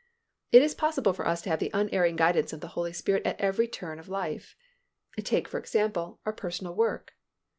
It is possible for us to have the unerring guidance of the Holy Spirit at every turn of life. Take, for example, our personal work.